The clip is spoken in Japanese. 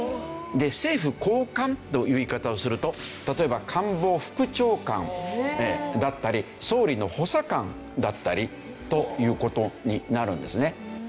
政府高官という言い方をすると例えば官房副長官だったり総理の補佐官だったりという事になるんですね。